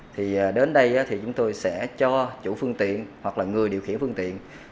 thì đến đây thì chúng tôi sẽ cho chủ phương tiện hoặc là người điều khiển phương tiện